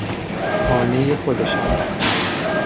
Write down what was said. خانهی خودشان